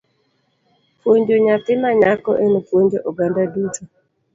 Puonjo nyathi ma nyako en puonjo oganda duto.